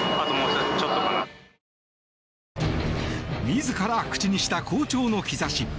自ら口にした好調の兆し。